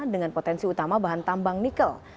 dengan potensi utama bahan tambang nikel